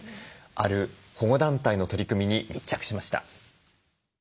ある保護団体の取り組みに密着しました。